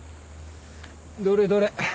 どれどれ。